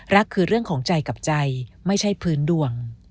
คือเรื่องของใจกับใจไม่ใช่พื้นดวง